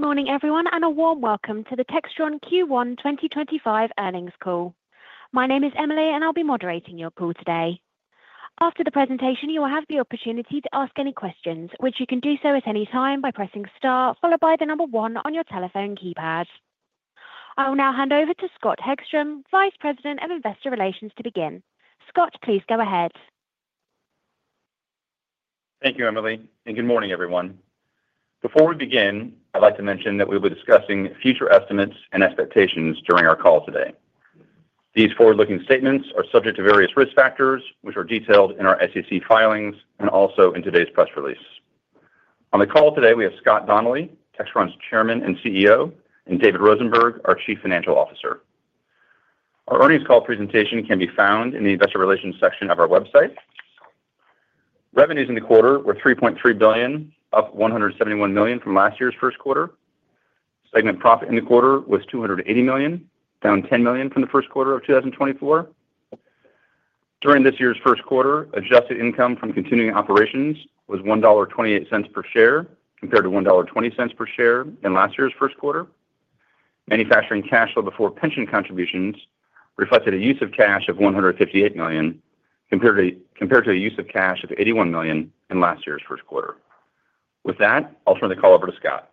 Good morning, everyone, and a warm welcome to the Textron Q1 2025 earnings call. My name is Emily, and I'll be moderating your call today. After the presentation, you will have the opportunity to ask any questions, which you can do so at any time by pressing star, followed by the number one on your telephone keypad. I will now hand over to Scott Hegstrom, Vice President of Investor Relations, to begin. Scott, please go ahead. Thank you, Emily, and good morning, everyone. Before we begin, I'd like to mention that we will be discussing future estimates and expectations during our call today. These forward-looking statements are subject to various risk factors, which are detailed in our SEC filings and also in today's press release. On the call today, we have Scott Donnelly, Textron's Chairman and CEO, and David Rosenberg, our Chief Financial Officer. Our earnings call presentation can be found in the Investor Relations section of our website. Revenues in the quarter were $3.3 billion, up $171 million from last year's first quarter. Segment profit in the quarter was $280 million, down $10 million from the first quarter of 2024. During this year's first quarter, adjusted income from continuing operations was $1.28 per share, compared to $1.20 per share in last year's first quarter. Manufacturing cash flow before pension contributions reflected a use of cash of $158 million, compared to a use of cash of $81 million in last year's first quarter. With that, I'll turn the call over to Scott.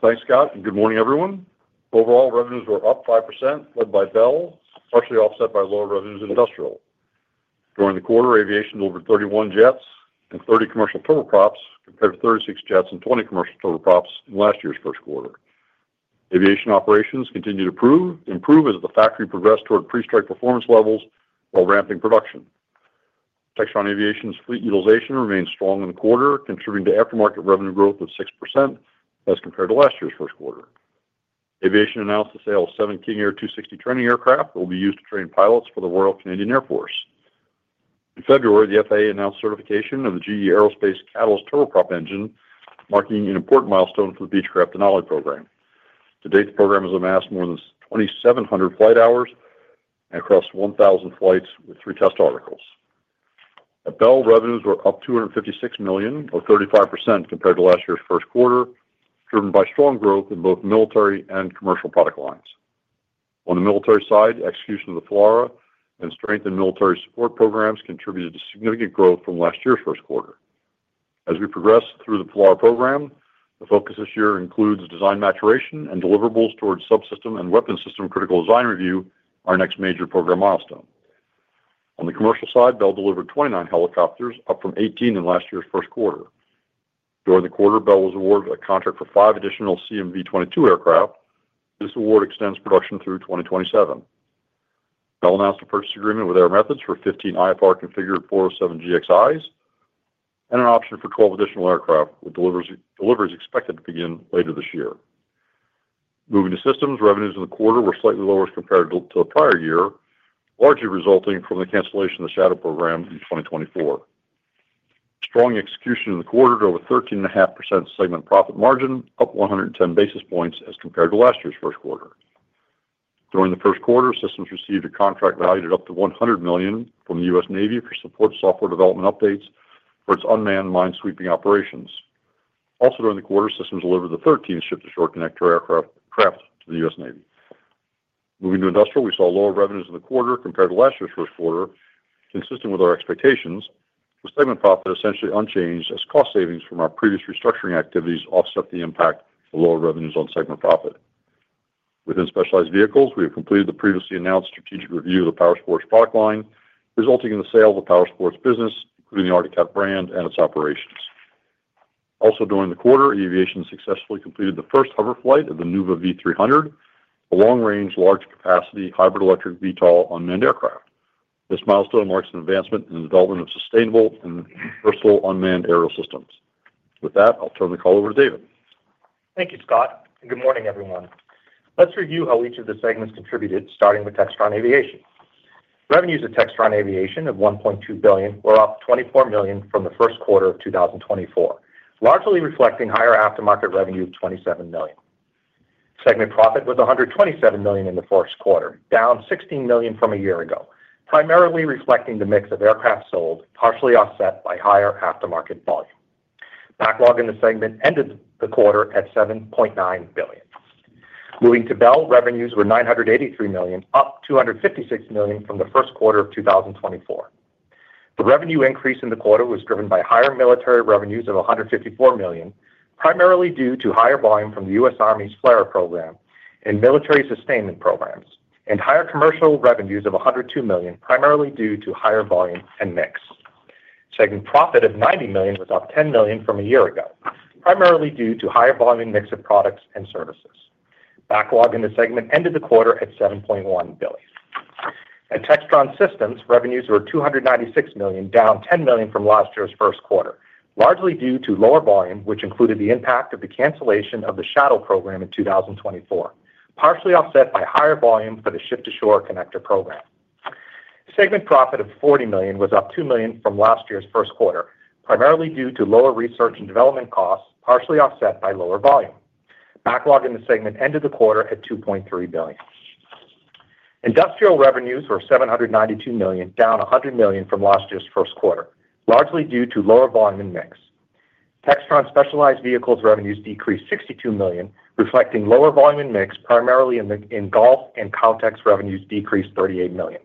Thanks, Scott. Good morning, everyone. Overall, revenues were up 5%, led by Bell, partially offset by lower revenues in industrial. During the quarter, aviation delivered 31 jets and 30 commercial turboprops, compared to 36 jets and 20 commercial turboprops in last year's first quarter. Aviation operations continued to improve as the factory progressed toward pre-strike performance levels while ramping production. Textron Aviation's fleet utilization remained strong in the quarter, contributing to aftermarket revenue growth of 6% as compared to last year's first quarter. Aviation announced the sale of seven King Air 260 training aircraft that will be used to train pilots for the Royal Canadian Air Force. In February, the FAA announced certification of the GE Aerospace Catalyst turboprop engine, marking an important milestone for the Beechcraft Denali program. To date, the program has amassed more than 2,700 flight hours and across 1,000 flights with three test articles. At Bell, revenues were up $256 million, up 35% compared to last year's first quarter, driven by strong growth in both military and commercial product lines. On the military side, execution of the FLRAA and strengthened military support programs contributed to significant growth from last year's first quarter. As we progress through the FLRAA program, the focus this year includes design maturation and deliverables toward subsystem and weapon system critical design review, our next major program milestone. On the commercial side, Bell delivered 29 helicopters, up from 18 in last year's first quarter. During the quarter, Bell was awarded a contract for five additional V-22 aircraft. This award extends production through 2027. Bell announced a purchase agreement with Air Methods for 15 IFR-configured 407GXis and an option for 12 additional aircraft, with deliveries expected to begin later this year. Moving to systems, revenues in the quarter were slightly lower as compared to the prior year, largely resulting from the cancellation of the Shadow program in 2024. Strong execution in the quarter drove a 13.5% segment profit margin, up 110 basis points as compared to last year's first quarter. During the first quarter, systems received a contract valued at up to $100 million from the U.S. Navy for support software development updates for its unmanned mine-sweeping operations. Also, during the quarter, systems delivered the 13th Ship-to-Shore Connector aircraft to the U.S. Navy. Moving to industrial, we saw lower revenues in the quarter compared to last year's first quarter, consistent with our expectations, with segment profit essentially unchanged as cost savings from our previous restructuring activities offset the impact of lower revenues on segment profit. Within specialized vehicles, we have completed the previously announced strategic review of the Powersports product line, resulting in the sale of the Powersports business, including the Arctic Cat brand and its operations. Also, during the quarter, aviation successfully completed the first hover flight of the Nuuva V300, a long-range, large-capacity hybrid electric VTOL unmanned aircraft. This milestone marks an advancement in the development of sustainable and versatile unmanned aerial systems. With that, I'll turn the call over to David. Thank you, Scott. Good morning, everyone. Let's review how each of the segments contributed, starting with Textron Aviation. Revenues of Textron Aviation of $1.2 billion were up $24 million from the first quarter of 2024, largely reflecting higher aftermarket revenue of $27 million. Segment profit was $127 million in the first quarter, down $16 million from a year ago, primarily reflecting the mix of aircraft sold, partially offset by higher aftermarket volume. Backlog in the segment ended the quarter at $7.9 billion. Moving to Bell, revenues were $983 million, up $256 million from the first quarter of 2024. The revenue increase in the quarter was driven by higher military revenues of $154 million, primarily due to higher volume from the U.S. Army's FLRAA program and military sustainment programs, and higher commercial revenues of $102 million, primarily due to higher volume and mix. Segment profit of $90 million was up $10 million from a year ago, primarily due to higher volume mix of products and services. Backlog in the segment ended the quarter at $7.1 billion. At Textron Systems, revenues were $296 million, down $10 million from last year's first quarter, largely due to lower volume, which included the impact of the cancellation of the Shadow program in 2024, partially offset by higher volume for the Ship-to-Shore Connector program. Segment profit of $40 million was up $2 million from last year's first quarter, primarily due to lower research and development costs, partially offset by lower volume. Backlog in the segment ended the quarter at $2.3 billion. Industrial revenues were $792 million, down $100 million from last year's first quarter, largely due to lower volume and mix. Textron Specialized Vehicles revenues decreased $62 million, reflecting lower volume and mix, primarily in golf, and Kautex revenues decreased $38 million,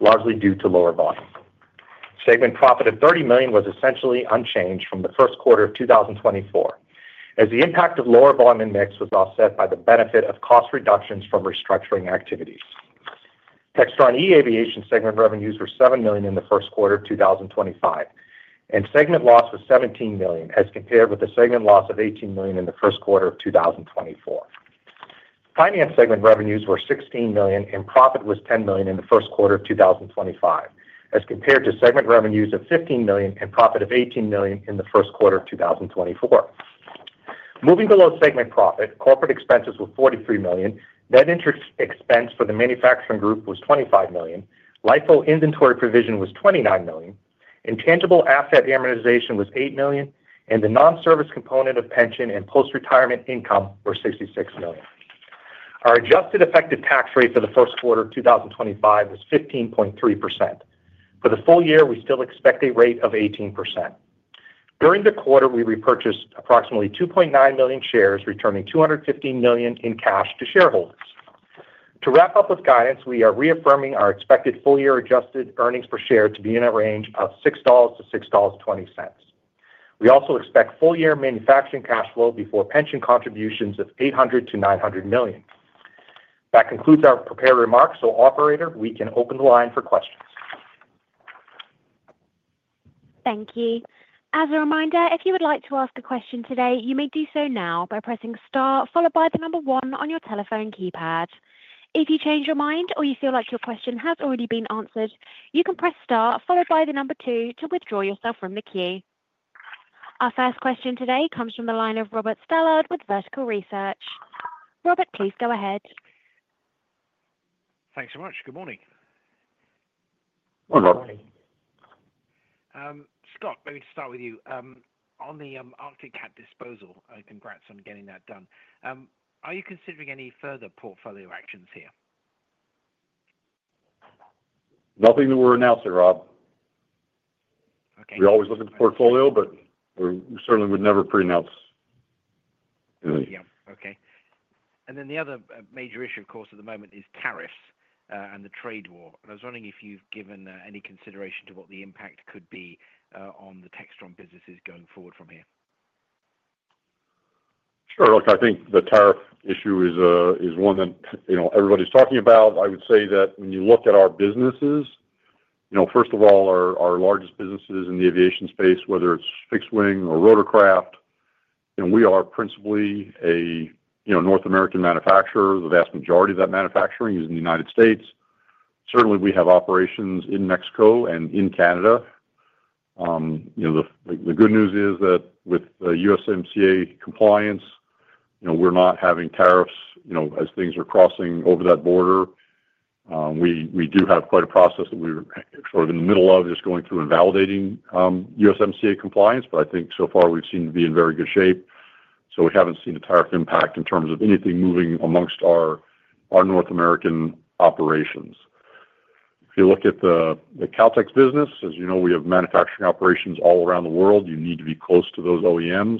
largely due to lower volume. Segment profit of $30 million was essentially unchanged from the first quarter of 2024, as the impact of lower volume and mix was offset by the benefit of cost reductions from restructuring activities. Textron eAviation segment revenues were $7 million in the first quarter of 2025, and segment loss was $17 million as compared with the segment loss of $18 million in the first quarter of 2024. Finance segment revenues were $16 million, and profit was $10 million in the first quarter of 2025, as compared to segment revenues of $15 million and profit of $18 million in the first quarter of 2024. Moving below segment profit, corporate expenses were $43 million. Net interest expense for the manufacturing group was $25 million. LIFO inventory provision was $29 million. Intangible asset amortization was $8 million, and the non-service component of pension and post-retirement income were $66 million. Our adjusted effective tax rate for the first quarter of 2025 was 15.3%. For the full year, we still expect a rate of 18%. During the quarter, we repurchased approximately 2.9 million shares, returning $215 million in cash to shareholders. To wrap up with guidance, we are reaffirming our expected full-year adjusted earnings per share to be in a range of $6-$6.20. We also expect full-year manufacturing cash flow before pension contributions of $800 million-$900 million. That concludes our prepared remarks. Operator, we can open the line for questions. Thank you. As a reminder, if you would like to ask a question today, you may do so now by pressing star, followed by the number one on your telephone keypad. If you change your mind or you feel like your question has already been answered, you can press star, followed by the number two to withdraw yourself from the queue. Our first question today comes from the line of Robert Stallard with Vertical Research. Robert, please go ahead. Thanks so much. Good morning. Good morning. Scott, maybe to start with you, on the Arctic Cat disposal, congrats on getting that done. Are you considering any further portfolio actions here? Nothing that we're announcing, Rob. We're always looking at the portfolio, but we certainly would never pre-announce anything. Yeah. Okay. The other major issue, of course, at the moment is tariffs and the trade war. I was wondering if you've given any consideration to what the impact could be on the Textron businesses going forward from here. Sure. Look, I think the tariff issue is one that everybody's talking about. I would say that when you look at our businesses, first of all, our largest businesses in the aviation space, whether it's fixed wing or rotorcraft, we are principally a North American manufacturer. The vast majority of that manufacturing is in the United States. Certainly, we have operations in Mexico and in Canada. The good news is that with USMCA compliance, we're not having tariffs as things are crossing over that border. We do have quite a process that we're sort of in the middle of, just going through and validating USMCA compliance, but I think so far we've seemed to be in very good shape. We haven't seen a tariff impact in terms of anything moving amongst our North American operations. If you look at the Kautex business, as you know, we have manufacturing operations all around the world. You need to be close to those OEMs.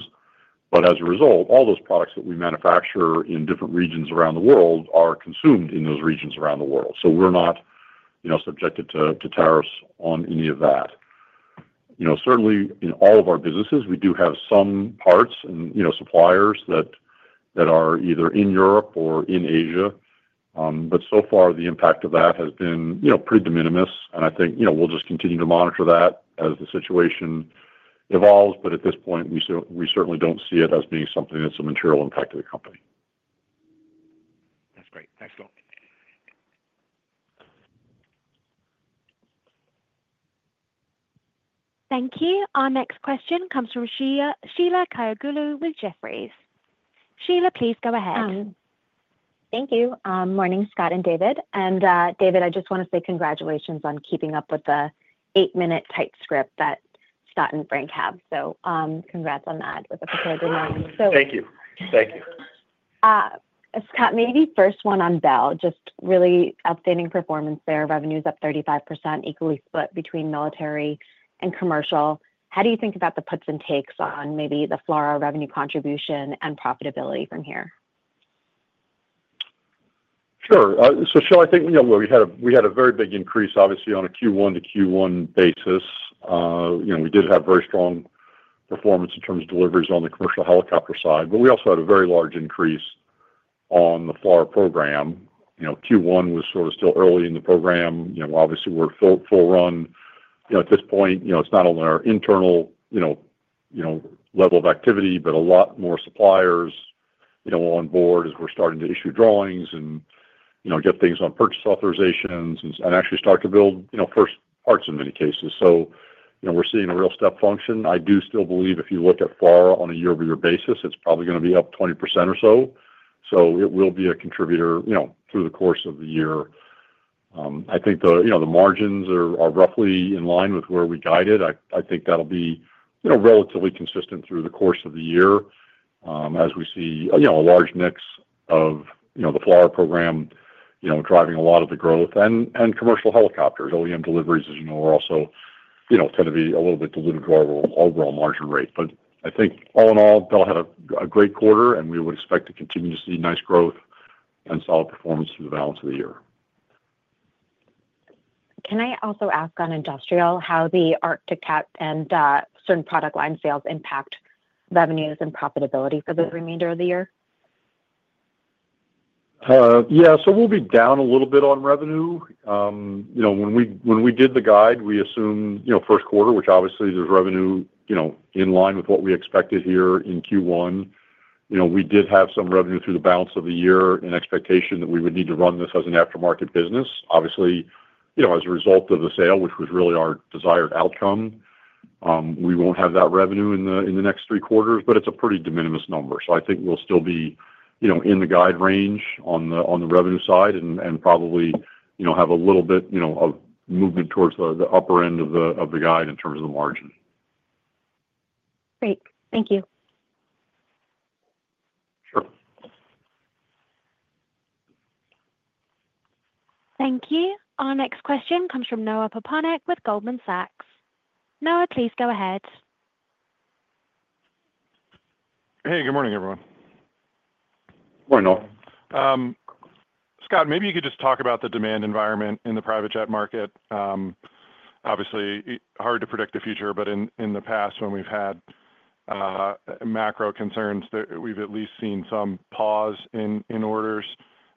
As a result, all those products that we manufacture in different regions around the world are consumed in those regions around the world. We are not subjected to tariffs on any of that. Certainly, in all of our businesses, we do have some parts and suppliers that are either in Europe or in Asia. So far, the impact of that has been pretty de minimis. I think we will just continue to monitor that as the situation evolves. At this point, we certainly do not see it as being something that is a material impact to the company. That's great. Thanks, Scott. Thank you. Our next question comes from Sheila Kahyaoglu with Jefferies. Sheila, please go ahead. Thank you. Morning, Scott and David. David, I just want to say congratulations on keeping up with the eight-minute typescript that Scott and Frank have. Congrats on that with a prepared remark. Thank you. Thank you. Scott, maybe first one on Bell, just really outstanding performance there. Revenues up 35%, equally split between military and commercial. How do you think about the puts and takes on maybe the FLRAA revenue contribution and profitability from here? Sure. Sheila, I think we had a very big increase, obviously, on a Q1 to Q1 basis. We did have very strong performance in terms of deliveries on the commercial helicopter side, but we also had a very large increase on the FLRAA program. Q1 was sort of still early in the program. Obviously, we're full run at this point. It's not only our internal level of activity, but a lot more suppliers on board as we're starting to issue drawings and get things on purchase authorizations and actually start to build first parts in many cases. We're seeing a real step function. I do still believe if you look at FLRAA on a year-over-year basis, it's probably going to be up 20% or so. It will be a contributor through the course of the year. I think the margins are roughly in line with where we guided. I think that'll be relatively consistent through the course of the year as we see a large mix of the FLRAA program driving a lot of the growth and commercial helicopters. OEM deliveries, as you know, also tend to be a little bit dilutive to our overall margin rate. I think all in all, Bell had a great quarter, and we would expect to continue to see nice growth and solid performance through the balance of the year. Can I also ask on industrial how the Arctic Cat and certain product line sales impact revenues and profitability for the remainder of the year? Yeah. We'll be down a little bit on revenue. When we did the guide, we assumed first quarter, which obviously there's revenue in line with what we expected here in Q1. We did have some revenue through the balance of the year and expectation that we would need to run this as an aftermarket business. Obviously, as a result of the sale, which was really our desired outcome, we won't have that revenue in the next three quarters, but it's a pretty de minimis number. I think we'll still be in the guide range on the revenue side and probably have a little bit of movement towards the upper end of the guide in terms of the margin. Great. Thank you. Sure. Thank you. Our next question comes from Noah Poponak with Goldman Sachs. Noah, please go ahead. Hey, good morning, everyone. Good morning, Noah. Scott, maybe you could just talk about the demand environment in the private jet market. Obviously, hard to predict the future, but in the past, when we've had macro concerns, we've at least seen some pause in orders.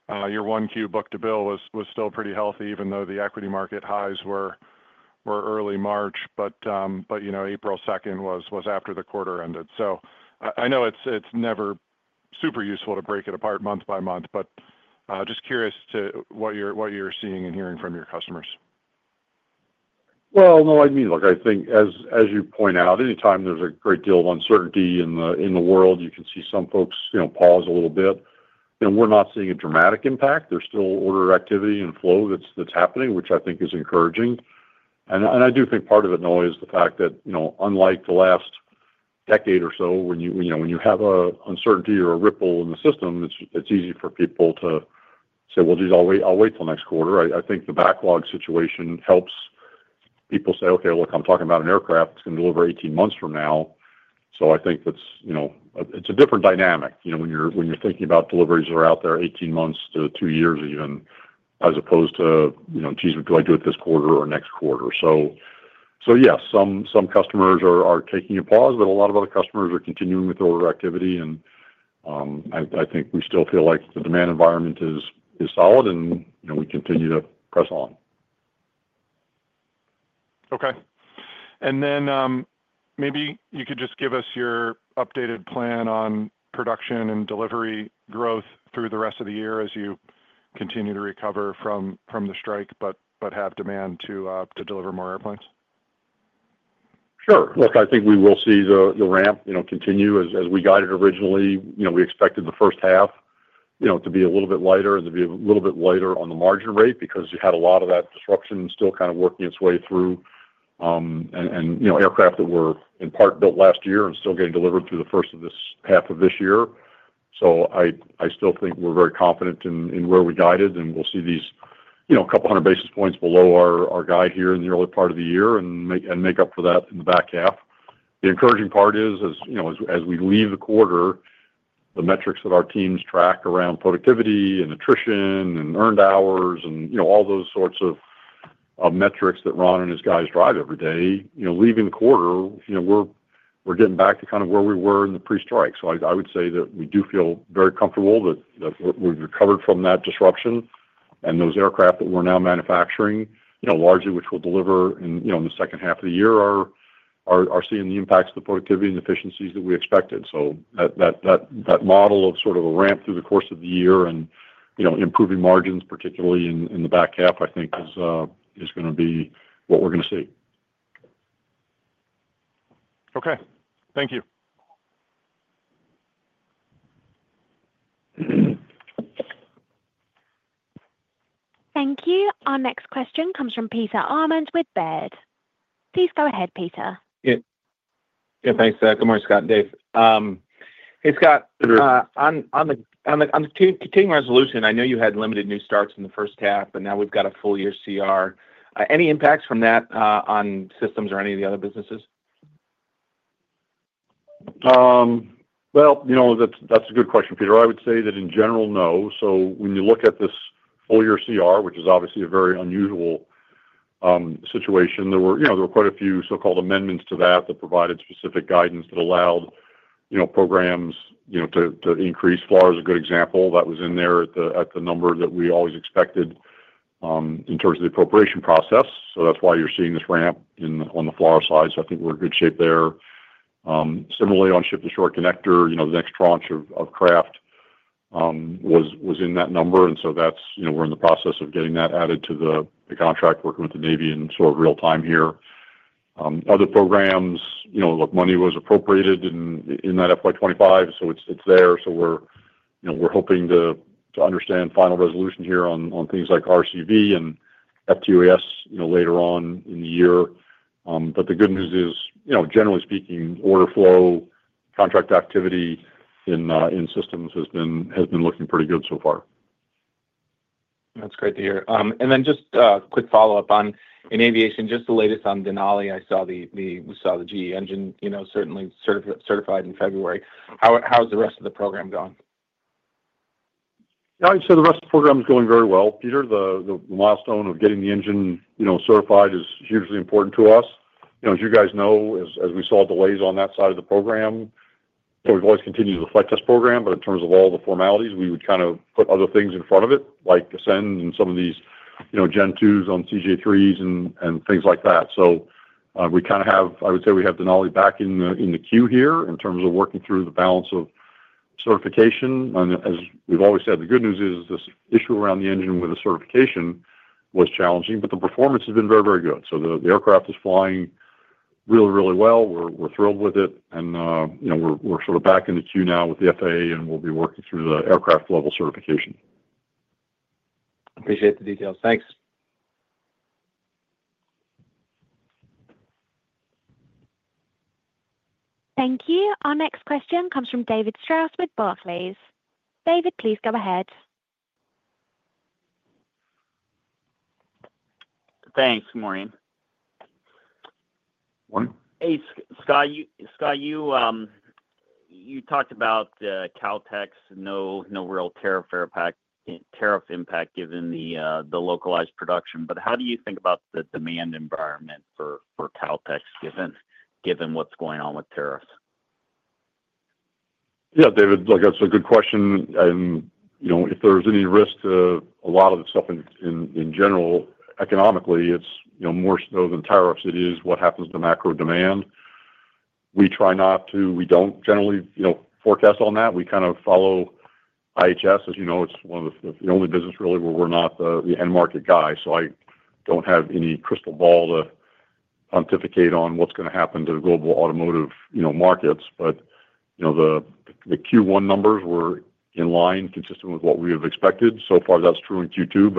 Year one Q book-to-bill was still pretty healthy, even though the equity market highs were early March, but April 2 was after the quarter ended. I know it's never super useful to break it apart month by month, but just curious to what you're seeing and hearing from your customers. No, I mean, look, I think as you point out, anytime there's a great deal of uncertainty in the world, you can see some folks pause a little bit. We're not seeing a dramatic impact. There's still order activity and flow that's happening, which I think is encouraging. I do think part of it, Noah, is the fact that unlike the last decade or so, when you have an uncertainty or a ripple in the system, it's easy for people to say, "Well, I'll wait till next quarter." I think the backlog situation helps people say, "Okay, look, I'm talking about an aircraft that's going to deliver 18 months from now." I think it's a different dynamic when you're thinking about deliveries that are out there 18 months to two years even, as opposed to, "Geez, what do I do with this quarter or next quarter?" Yeah, some customers are taking a pause, but a lot of other customers are continuing with order activity. I think we still feel like the demand environment is solid, and we continue to press on. Okay. Maybe you could just give us your updated plan on production and delivery growth through the rest of the year as you continue to recover from the strike but have demand to deliver more airplanes. Sure. Look, I think we will see the ramp continue as we guided originally. We expected the first half to be a little bit lighter and to be a little bit lighter on the margin rate because you had a lot of that disruption still kind of working its way through and aircraft that were in part built last year and still getting delivered through the first of this half of this year. I still think we're very confident in where we guided, and we'll see these a couple hundred basis points below our guide here in the early part of the year and make up for that in the back half. The encouraging part is, as we leave the quarter, the metrics that our teams track around productivity and attrition and earned hours and all those sorts of metrics that Ron and his guys drive every day, leaving the quarter, we're getting back to kind of where we were in the pre-strike. I would say that we do feel very comfortable that we've recovered from that disruption. Those aircraft that we're now manufacturing, largely which will deliver in the second half of the year, are seeing the impacts of the productivity and efficiencies that we expected. That model of sort of a ramp through the course of the year and improving margins, particularly in the back half, I think is going to be what we're going to see. Okay. Thank you. Thank you. Our next question comes from Peter Arment with Baird. Please go ahead, Peter. Yeah. Thanks, Scott. Good morning, Scott and Dave. Hey, Scott. Good morning. On the continuing resolution, I know you had limited new starts in the first half, but now we've got a full-year CR. Any impacts from that on systems or any of the other businesses? That's a good question, Peter. I would say that in general, no. When you look at this full-year CR, which is obviously a very unusual situation, there were quite a few so-called amendments to that that provided specific guidance that allowed programs to increase. FLRAA is a good example. That was in there at the number that we always expected in terms of the appropriation process. That's why you're seeing this ramp on the FLRAA side. I think we're in good shape there. Similarly, on Ship-to-Shore Connector, the next tranche of craft was in that number. We are in the process of getting that added to the contract, working with the Navy in sort of real-time here. Other programs, look, money was appropriated in that FY 2025, so it's there. We are hoping to understand final resolution here on things like RCV and FTUAS later on in the year. The good news is, generally speaking, order flow, contract activity in systems has been looking pretty good so far. That's great to hear. Just a quick follow-up on in aviation, just the latest on Denali. I saw the GE engine certainly certified in February. How's the rest of the program going? The rest of the program is going very well, Peter. The milestone of getting the engine certified is hugely important to us. As you guys know, as we saw delays on that side of the program, we've always continued to the flight test program. In terms of all the formalities, we would kind of put other things in front of it, like Ascend and some of these Gen2s on CJ3s and things like that. We kind of have, I would say we have Denali back in the queue here in terms of working through the balance of certification. As we've always said, the good news is this issue around the engine with the certification was challenging, but the performance has been very, very good. The aircraft is flying really, really well. We're thrilled with it. We're sort of back in the queue now with the FAA, and we'll be working through the aircraft-level certification. Appreciate the details. Thanks. Thank you. Our next question comes from David Strauss with Barclays. David, please go ahead. Thanks. Good morning. Good morning. Hey, Scott, you talked about Kautex, no real tariff impact given the localized production. How do you think about the demand environment for Kautex, given what's going on with tariffs? Yeah, David, like I said, good question. If there's any risk to a lot of the stuff in general, economically, it's more so than tariffs. It is what happens to macro demand. We try not to, we don't generally forecast on that. We kind of follow IHS. As you know, it's one of the only businesses really where we're not the end market guy. I don't have any crystal ball to pontificate on what's going to happen to the global automotive markets. The Q1 numbers were in line consistent with what we have expected. So far, that's true in Q2.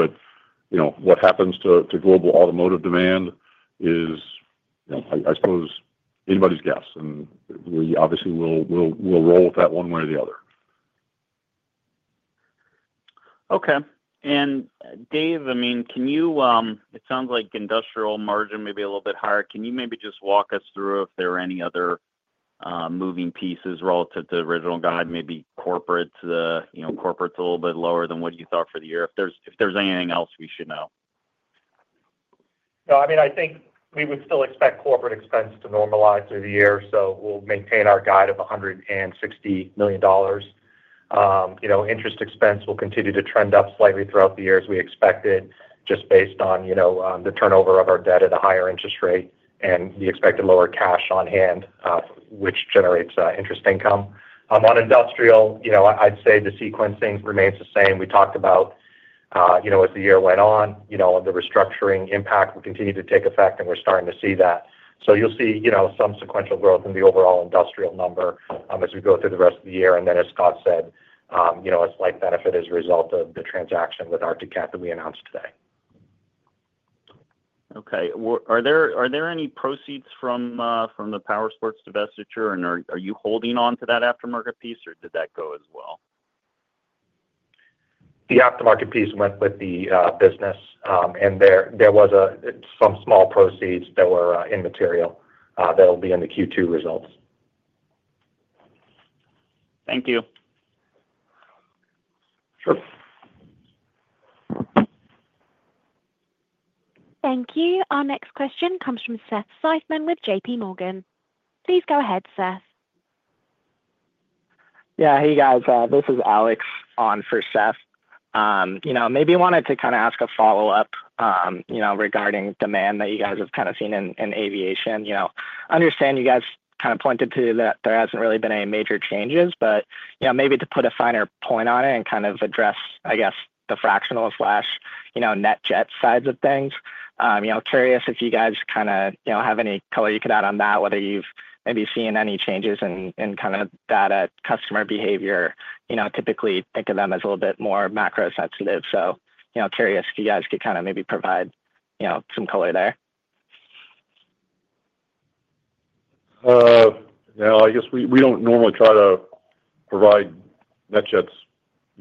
What happens to global automotive demand is, I suppose, anybody's guess. We obviously will roll with that one way or the other. Okay. Dave, I mean, it sounds like industrial margin may be a little bit higher. Can you maybe just walk us through if there are any other moving pieces relative to the original guide, maybe corporate? Corporate's a little bit lower than what you thought for the year. If there's anything else we should know. Yeah. I mean, I think we would still expect corporate expense to normalize through the year. So we'll maintain our guide of $160 million. Interest expense will continue to trend up slightly throughout the year as we expected, just based on the turnover of our debt at a higher interest rate and the expected lower cash on hand, which generates interest income. On industrial, I'd say the sequencing remains the same. We talked about as the year went on, the restructuring impact will continue to take effect, and we're starting to see that. You will see some sequential growth in the overall industrial number as we go through the rest of the year. As Scott said, a slight benefit as a result of the transaction with Arctic Cat that we announced today. Okay. Are there any proceeds from the Powersports divestiture, and are you holding on to that aftermarket piece, or did that go as well? The aftermarket piece went with the business, and there was some small proceeds that were immaterial that will be in the Q2 results. Thank you. Sure. Thank you. Our next question comes from Seth Seifman with JPMorgan. Please go ahead, Seth. Yeah. Hey, guys. This is Alex on for Seth. Maybe I wanted to kind of ask a follow-up regarding demand that you guys have kind of seen in aviation. Understand you guys kind of pointed to that there hasn't really been any major changes, but maybe to put a finer point on it and kind of address, I guess, the fractional/net jet sides of things. Curious if you guys kind of have any color you could add on that, whether you've maybe seen any changes in kind of data customer behavior. Typically, think of them as a little bit more macro-sensitive. Curious if you guys could kind of maybe provide some color there. Yeah. I guess we do not normally try to provide NetJets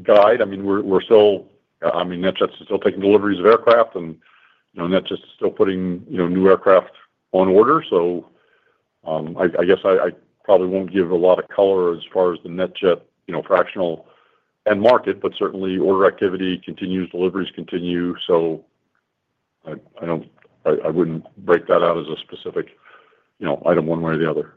guide. I mean, we are still, I mean, NetJets are still taking deliveries of aircraft, and NetJets are still putting new aircraft on order. I guess I probably will not give a lot of color as far as the NetJets fractional end market, but certainly, order activity continues, deliveries continue. I would not break that out as a specific item one way or the other.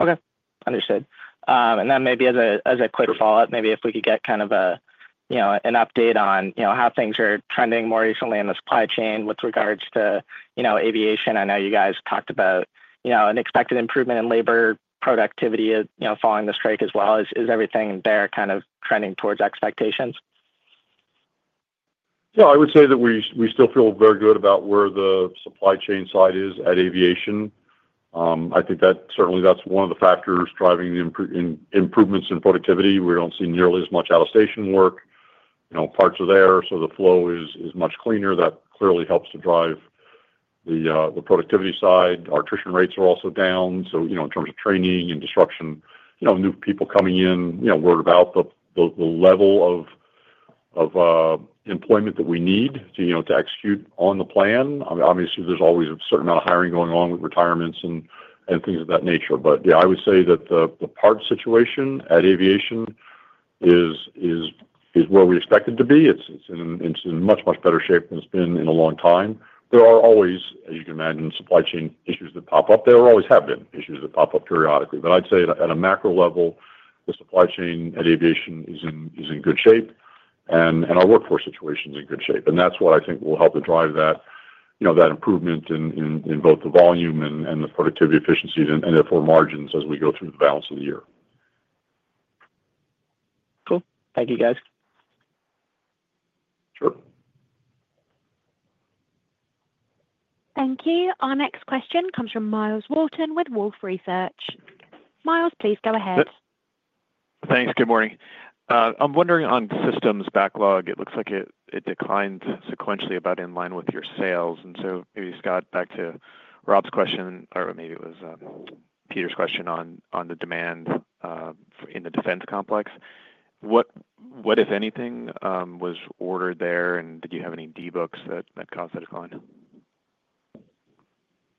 Okay. Understood. Maybe as a quick follow-up, maybe if we could get kind of an update on how things are trending more recently in the supply chain with regards to aviation. I know you guys talked about an expected improvement in labor productivity following the strike as well. Is everything there kind of trending towards expectations? Yeah. I would say that we still feel very good about where the supply chain side is at aviation. I think that certainly that's one of the factors driving the improvements in productivity. We don't see nearly as much out-of-station work. Parts are there, so the flow is much cleaner. That clearly helps to drive the productivity side. Our attrition rates are also down. In terms of training and disruption, new people coming in, we're about the level of employment that we need to execute on the plan. Obviously, there's always a certain amount of hiring going on with retirements and things of that nature. Yeah, I would say that the part situation at aviation is where we expect it to be. It's in much, much better shape than it's been in a long time. There are always, as you can imagine, supply chain issues that pop up. There always have been issues that pop up periodically. I'd say at a macro level, the supply chain at aviation is in good shape, and our workforce situation is in good shape. That's what I think will help to drive that improvement in both the volume and the productivity efficiencies and therefore margins as we go through the balance of the year. Cool. Thank you, guys. Sure. Thank you. Our next question comes from Myles Walton with Wolfe Research. Miles, please go ahead. Thanks. Good morning. I'm wondering on systems backlog, it looks like it declined sequentially about in line with your sales. Maybe, Scott, back to Rob's question, or maybe it was Peter's question on the demand in the defense complex. What, if anything, was ordered there, and did you have any debugs that caused that decline?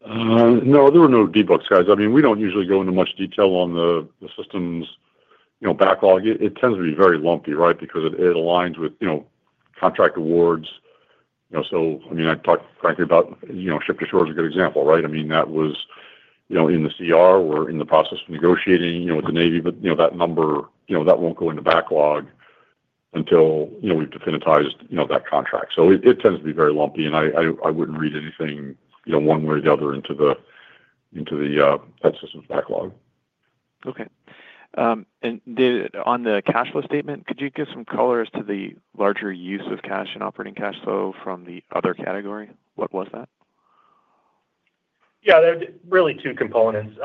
No. There were no debugs, guys. I mean, we do not usually go into much detail on the systems backlog. It tends to be very lumpy, right, because it aligns with contract awards. I mean, I talked frankly about ship-to-shore is a good example, right? That was in the CR. We are in the process of negotiating with the Navy, but that number, that will not go into backlog until we have definitized that contract. It tends to be very lumpy, and I would not read anything one way or the other into the head systems backlog. Okay. On the cash flow statement, could you give some color as to the larger use of cash and operating cash flow from the other category? What was that? Yeah. There are really two components: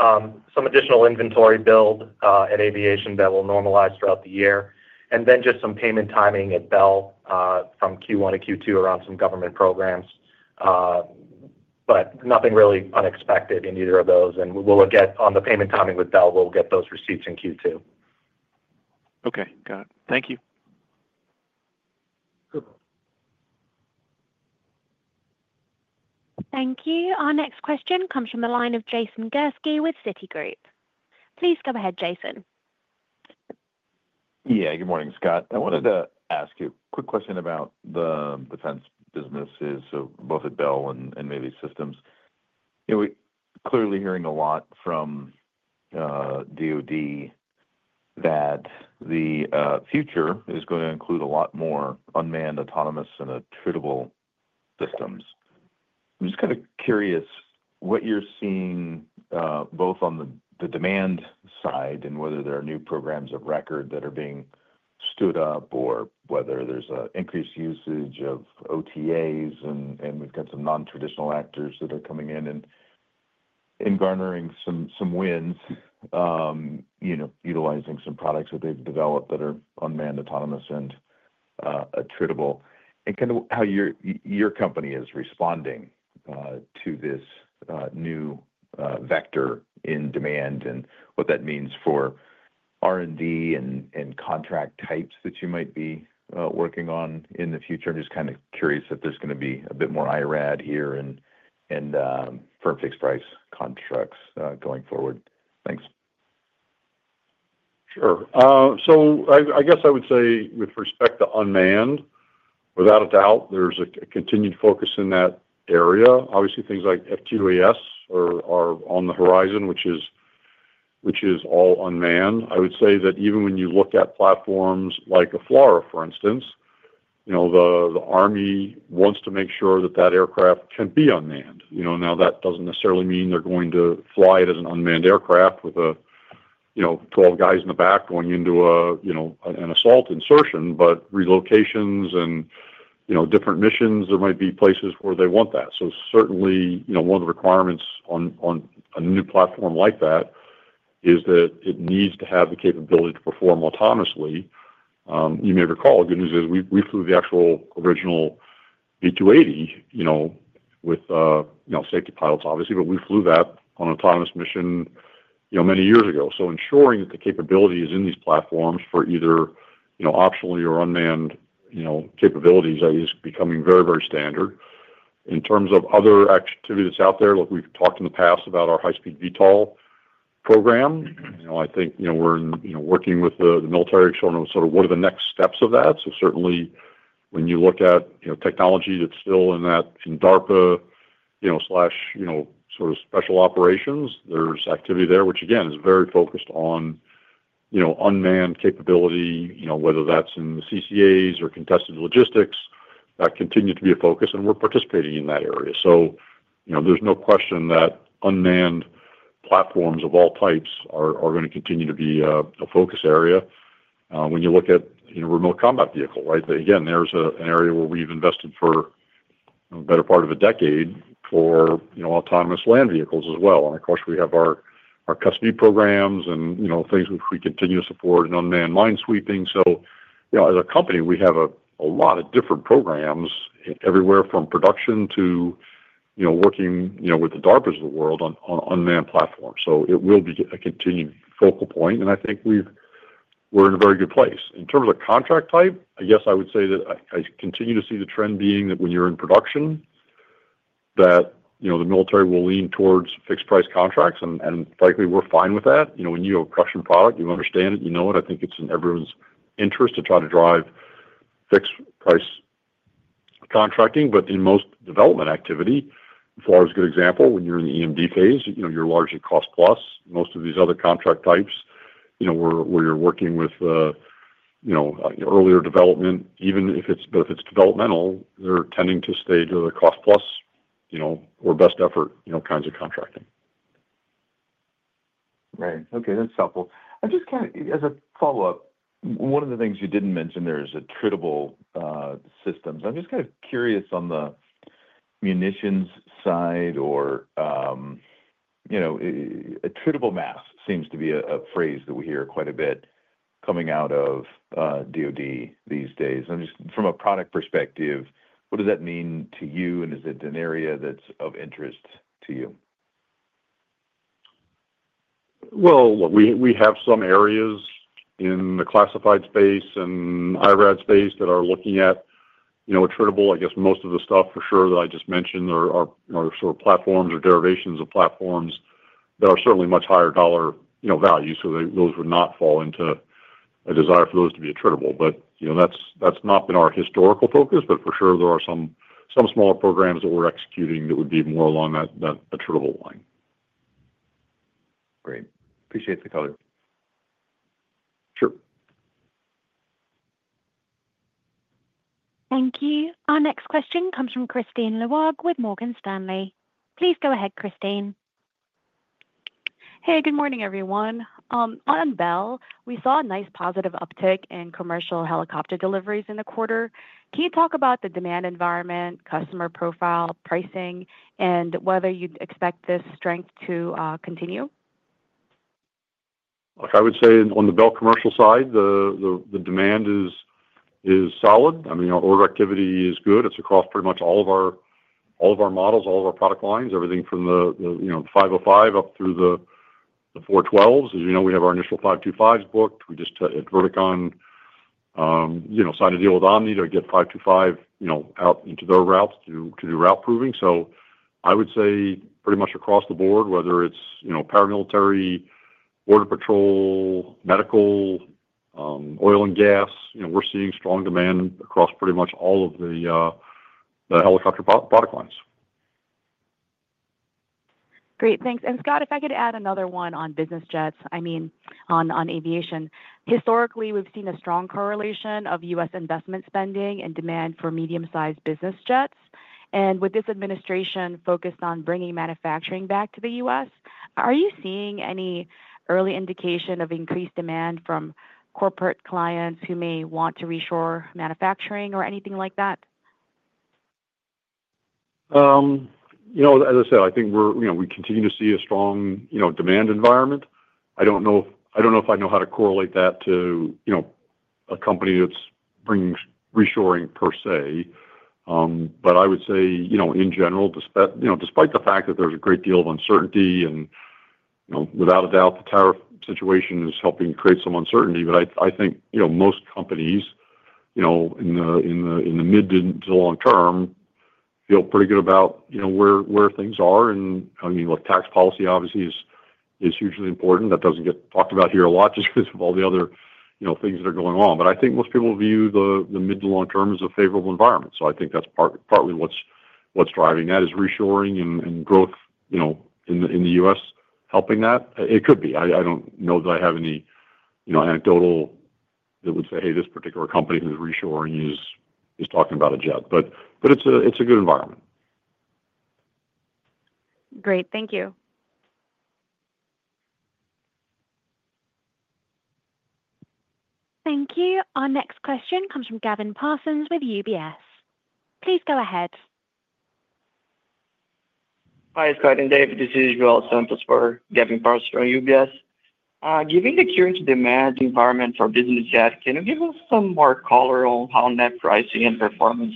some additional inventory build at aviation that will normalize throughout the year, and just some payment timing at Bell from Q1 to Q2 around some government programs. Nothing really unexpected in either of those. On the payment timing with Bell, we'll get those receipts in Q2. Okay. Got it. Thank you. Thank you. Our next question comes from the line of Jason Gursky with Citigroup. Please go ahead, Jason. Yeah. Good morning, Scott. I wanted to ask you a quick question about the defense businesses, both at Bell and Navy systems. We're clearly hearing a lot from DOD that the future is going to include a lot more unmanned, autonomous, and attritable systems. I'm just kind of curious what you're seeing both on the demand side and whether there are new programs of record that are being stood up or whether there's an increased usage of OTAs. We've got some non-traditional actors that are coming in and garnering some wins, utilizing some products that they've developed that are unmanned, autonomous, and attritable, and kind of how your company is responding to this new vector in demand and what that means for R&D and contract types that you might be working on in the future. I'm just kind of curious if there's going to be a bit more IRAD here and firm-fixed price contracts going forward. Thanks. Sure. I guess I would say with respect to unmanned, without a doubt, there's a continued focus in that area. Obviously, things like FTUAS are on the horizon, which is all unmanned. I would say that even when you look at platforms like a FLRAA, for instance, the Army wants to make sure that that aircraft can be unmanned. Now, that doesn't necessarily mean they're going to fly it as an unmanned aircraft with 12 guys in the back going into an assault insertion, but relocations and different missions, there might be places where they want that. Certainly, one of the requirements on a new platform like that is that it needs to have the capability to perform autonomously. You may recall, the good news is we flew the actual original V-280 with safety pilots, obviously, but we flew that on an autonomous mission many years ago. Ensuring that the capability is in these platforms for either optionally or unmanned capabilities is becoming very, very standard. In terms of other activity that's out there, we've talked in the past about our high-speed VTOL program. I think we're working with the military, sort of what are the next steps of that. Certainly, when you look at technology that's still in that in DARPA/sort of special operations, there's activity there, which, again, is very focused on unmanned capability, whether that's in the CCAs or contested logistics. That continued to be a focus, and we're participating in that area. There's no question that unmanned platforms of all types are going to continue to be a focus area. When you look at remote combat vehicles, right, again, there's an area where we've invested for the better part of a decade for autonomous land vehicles as well. Of course, we have our custody programs and things which we continue to support and unmanned mine sweeping. As a company, we have a lot of different programs everywhere from production to working with the DARPAs of the world on unmanned platforms. It will be a continued focal point, and I think we're in a very good place. In terms of contract type, I guess I would say that I continue to see the trend being that when you're in production, the military will lean towards fixed-price contracts, and frankly, we're fine with that. When you have a production product, you understand it, you know it. I think it's in everyone's interest to try to drive fixed-price contracting. In most development activity, FLRAA is a good example. When you're in the EMD phase, you're largely cost-plus. Most of these other contract types, where you're working with earlier development, even if it's developmental, they're tending to stay to the cost-plus or best-effort kinds of contracting. Right. Okay. That's helpful. I'm just kind of, as a follow-up, one of the things you didn't mention there is attritable systems. I'm just kind of curious on the munitions side or attritable mass seems to be a phrase that we hear quite a bit coming out of DOD these days. From a product perspective, what does that mean to you, and is it an area that's of interest to you? We have some areas in the classified space and IRAD space that are looking at attritable. I guess most of the stuff, for sure, that I just mentioned are sort of platforms or derivations of platforms that are certainly much higher dollar value. Those would not fall into a desire for those to be attritable. That has not been our historical focus, but for sure, there are some smaller programs that we're executing that would be more along that attritable line. Great. Appreciate the color. Sure. Thank you. Our next question comes from Kristine Liwag with Morgan Stanley. Please go ahead, Christine. Hey, good morning, everyone. I'm Bell. We saw a nice positive uptick in commercial helicopter deliveries in the quarter. Can you talk about the demand environment, customer profile, pricing, and whether you'd expect this strength to continue? I would say on the Bell commercial side, the demand is solid. I mean, our order activity is good. It's across pretty much all of our models, all of our product lines, everything from the 505 up through the 412s. As you know, we have our initial 525s booked. We just, at Verticon, signed a deal with Omni to get 525 out into their routes to do route proving. I would say pretty much across the board, whether it's paramilitary, border patrol, medical, oil and gas, we're seeing strong demand across pretty much all of the helicopter product lines. Great. Thanks. Scott, if I could add another one on business jets, I mean, on aviation. Historically, we've seen a strong correlation of U.S. investment spending and demand for medium-sized business jets. With this administration focused on bringing manufacturing back to the U.S., are you seeing any early indication of increased demand from corporate clients who may want to reshore manufacturing or anything like that? As I said, I think we continue to see a strong demand environment. I do not know if I know how to correlate that to a company that is bringing reshoring per se, but I would say, in general, despite the fact that there is a great deal of uncertainty and, without a doubt, the tariff situation is helping create some uncertainty, I think most companies in the mid to long term feel pretty good about where things are. I mean, tax policy, obviously, is hugely important. That does not get talked about here a lot just because of all the other things that are going on. I think most people view the mid to long term as a favorable environment. I think that is partly what is driving that, reshoring and growth in the U.S. helping that. It could be. I don't know that I have any anecdotal that would say, "Hey, this particular company who's reshoring is talking about a jet." It is a good environment. Great. Thank you. Thank you. Our next question comes from Gavin Parsons with UBS. Please go ahead. Hi, Scott. And David, this is Joel Santos for Gavin Parsons from UBS. Given the current demand environment for business jets, can you give us some more color on how net pricing and performance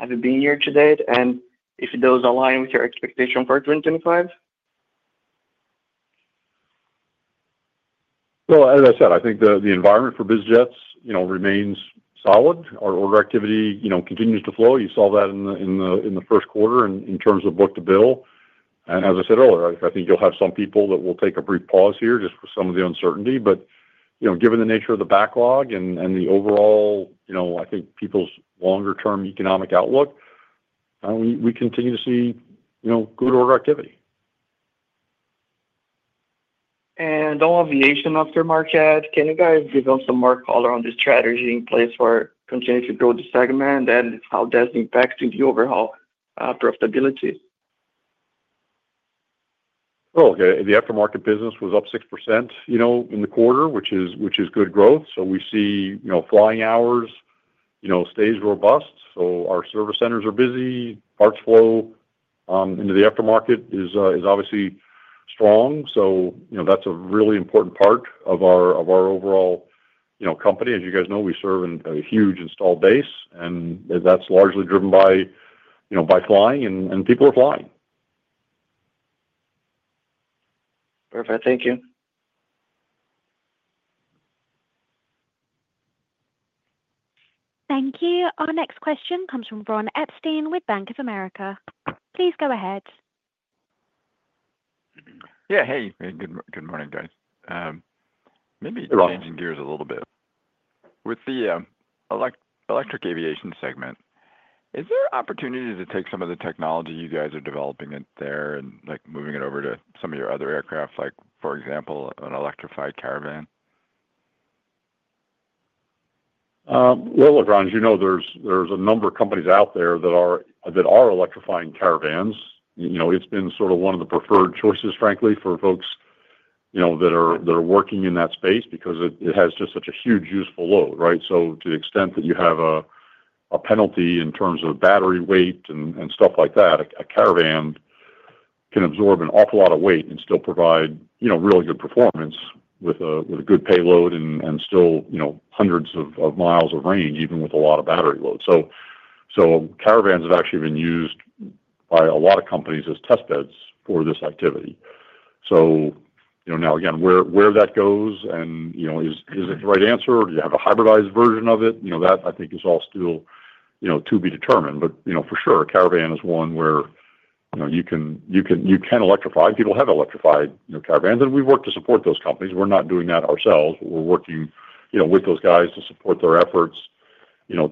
have been year-to-date and if those align with your expectation for 2025? As I said, I think the environment for business jets remains solid. Our order activity continues to flow. You saw that in the first quarter in terms of book to bill. As I said earlier, I think you'll have some people that will take a brief pause here just for some of the uncertainty. Given the nature of the backlog and the overall, I think, people's longer-term economic outlook, we continue to see good order activity. All aviation aftermarket, can you guys give us some more color on the strategy in place for continuing to grow the segment and how that's impacting the overall profitability? Oh, okay. The aftermarket business was up 6% in the quarter, which is good growth. We see flying hours stays robust. Our service centers are busy. Parts flow into the aftermarket is obviously strong. That's a really important part of our overall company. As you guys know, we serve a huge installed base, and that's largely driven by flying, and people are flying. Perfect. Thank you. Thank you. Our next question comes from Ron Epstein with Bank of America. Please go ahead. Yeah. Hey. Good morning, guys. Maybe changing gears a little bit. With the electric aviation segment, is there an opportunity to take some of the technology you guys are developing there and moving it over to some of your other aircraft, for example, an electrified Caravan? Look, Ron, there's a number of companies out there that are electrifying caravans. It's been sort of one of the preferred choices, frankly, for folks that are working in that space because it has just such a huge useful load, right? To the extent that you have a penalty in terms of battery weight and stuff like that, a caravan can absorb an awful lot of weight and still provide really good performance with a good payload and still hundreds of miles of range, even with a lot of battery load. Caravans have actually been used by a lot of companies as test beds for this activity. Now, again, where that goes and is it the right answer? Do you have a hybridized version of it? That, I think, is all still to be determined. For sure, a caravan is one where you can electrify. People have electrified caravans. We have worked to support those companies. We are not doing that ourselves, but we are working with those guys to support their efforts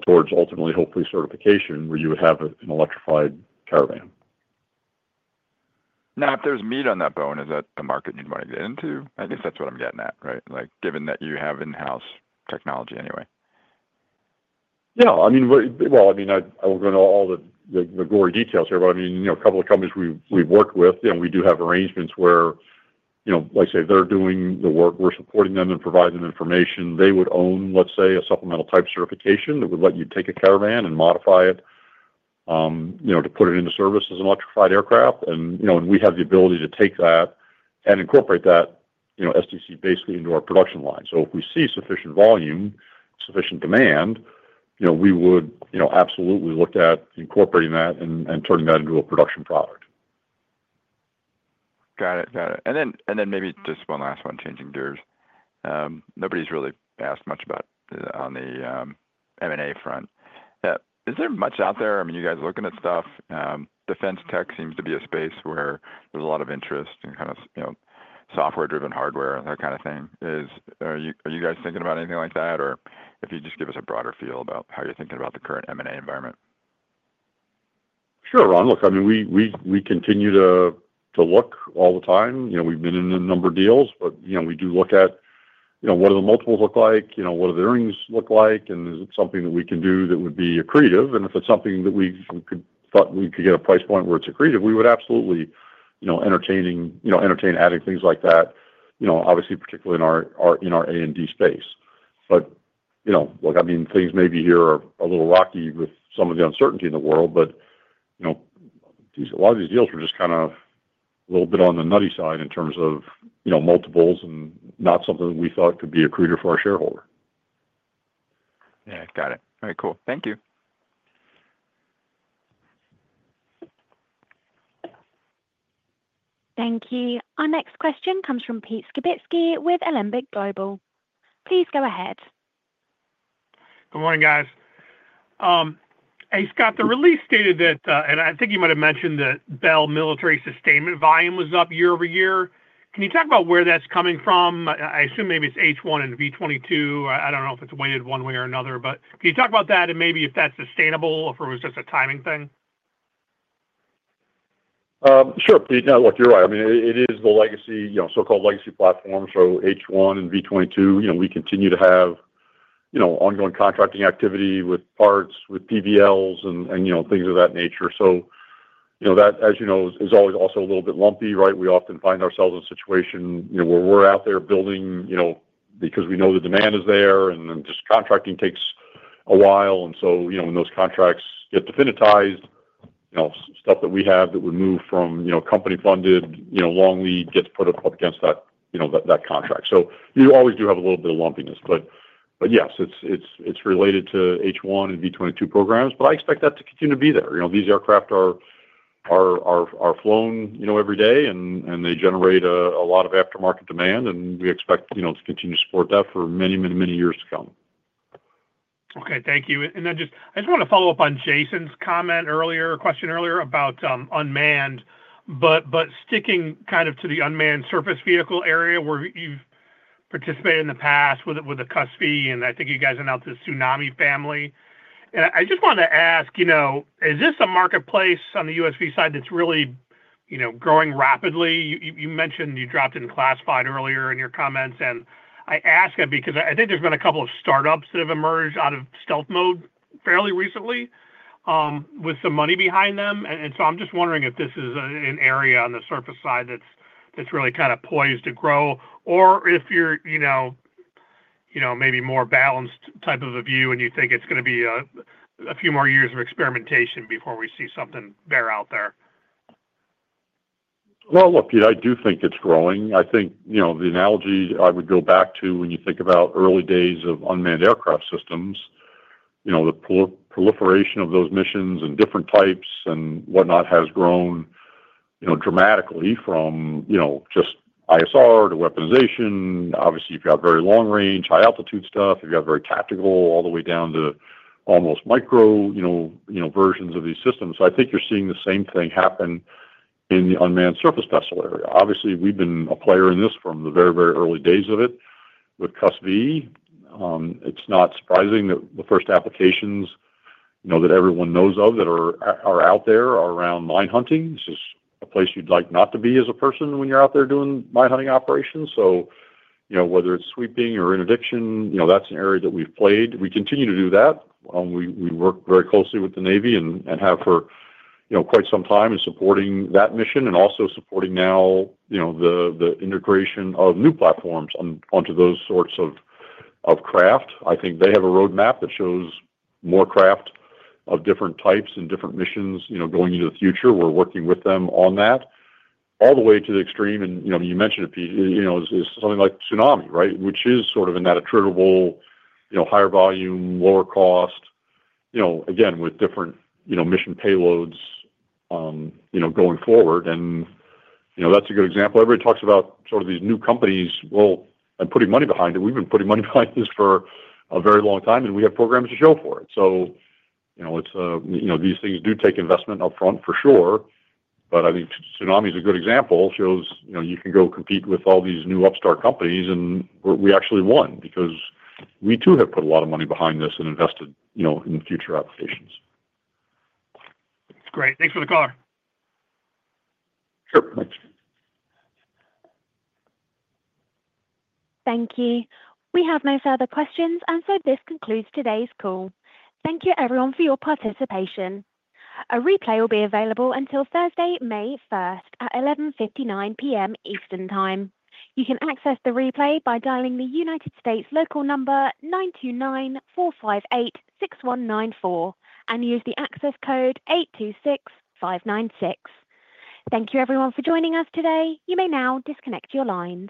towards ultimately, hopefully, certification where you would have an electrified caravan. Now, if there's meat on that bone, is that the market you'd want to get into? I guess that's what I'm getting at, right? Given that you have in-house technology anyway. Yeah. I mean, I won't go into all the gory details here, but I mean, a couple of companies we've worked with, and we do have arrangements where, like I say, if they're doing the work, we're supporting them and providing them information. They would own, let's say, a supplemental type certification that would let you take a Caravan and modify it to put it into service as an electrified aircraft. And we have the ability to take that and incorporate that STC basically into our production line. So if we see sufficient volume, sufficient demand, we would absolutely look at incorporating that and turning that into a production product. Got it. Got it. Maybe just one last one, changing gears. Nobody's really asked much about on the M&A front. Is there much out there? I mean, you guys are looking at stuff. Defense tech seems to be a space where there's a lot of interest in kind of software-driven hardware and that kind of thing. Are you guys thinking about anything like that, or if you'd just give us a broader feel about how you're thinking about the current M&A environment? Sure, Ron. Look, I mean, we continue to look all the time. We've been in a number of deals, but we do look at what do the multiples look like, what do the earnings look like, and is it something that we can do that would be accretive? If it's something that we thought we could get a price point where it's accretive, we would absolutely entertain adding things like that, obviously, particularly in our A&D space. Look, I mean, things may be here a little rocky with some of the uncertainty in the world, but a lot of these deals were just kind of a little bit on the nutty side in terms of multiples and not something that we thought could be accretive for our shareholder. Yeah. Got it. All right. Cool. Thank you. Thank you. Our next question comes from Pete Skibitski with Alembic Global. Please go ahead. Good morning, guys. Hey, Scott, the release stated that, and I think you might have mentioned that Bell military sustainment volume was up year over year. Can you talk about where that's coming from? I assume maybe it's H-1 and V-22. I don't know if it's weighted one way or another, but can you talk about that and maybe if that's sustainable or if it was just a timing thing? Sure. Look, you're right. I mean, it is the so-called legacy platform. H-1 and V-22, we continue to have ongoing contracting activity with parts, with PBLs, and things of that nature. That, as you know, is always also a little bit lumpy, right? We often find ourselves in a situation where we're out there building because we know the demand is there, and then just contracting takes a while. When those contracts get definitized, stuff that we have that would move from company-funded long lead gets put up against that contract. You always do have a little bit of lumpiness. Yes, it's related to H-1 and V-22 programs, but I expect that to continue to be there. These aircraft are flown every day, and they generate a lot of aftermarket demand, and we expect to continue to support that for many, many, many years to come. Okay. Thank you. I just want to follow up on Jason's question earlier about unmanned, but sticking kind of to the unmanned surface vehicle area where you've participated in the past with the CUSV, and I think you guys are now the TSUNAMI family. I just want to ask, is this a marketplace on the USV side that's really growing rapidly? You mentioned you dropped in Classified earlier in your comments, and I ask because I think there's been a couple of startups that have emerged out of stealth mode fairly recently with some money behind them. I'm just wondering if this is an area on the surface side that's really kind of poised to grow or if you're maybe more balanced type of a view and you think it's going to be a few more years of experimentation before we see something there out there. I do think it's growing. I think the analogy I would go back to when you think about early days of unmanned aircraft systems, the proliferation of those missions and different types and whatnot has grown dramatically from just ISR to weaponization. Obviously, you've got very long-range, high-altitude stuff. You've got very tactical all the way down to almost micro versions of these systems. I think you're seeing the same thing happen in the unmanned surface vessel area. Obviously, we've been a player in this from the very, very early days of it with CUSV. It's not surprising that the first applications that everyone knows of that are out there are around mine hunting. This is a place you'd like not to be as a person when you're out there doing mine hunting operations. Whether it's sweeping or interdiction, that's an area that we've played. We continue to do that. We work very closely with the Navy and have for quite some time in supporting that mission and also supporting now the integration of new platforms onto those sorts of craft. I think they have a roadmap that shows more craft of different types and different missions going into the future. We are working with them on that all the way to the extreme. You mentioned it, Pete, is something like Tsunami, right, which is sort of in that attributable, higher volume, lower cost, again, with different mission payloads going forward. That is a good example. Everybody talks about sort of these new companies. I am putting money behind it. We have been putting money behind this for a very long time, and we have programs to show for it. These things do take investment upfront for sure. I think Tsunami is a good example. Shows you can go compete with all these new upstart companies, and we actually won because we too have put a lot of money behind this and invested in future applications. That's great. Thanks for the call. Sure. Thanks. Thank you. We have no further questions. This concludes today's call. Thank you, everyone, for your participation. A replay will be available until Thursday, May 1 at 11:59 P.M. Eastern Time. You can access the replay by dialing the United States local number 929-458-6194 and use the access code 826596. Thank you, everyone, for joining us today. You may now disconnect your line.